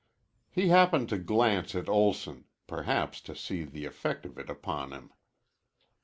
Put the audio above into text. He happened to glance at Olson, perhaps to see the effect of it upon him.